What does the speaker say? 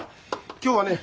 今日はね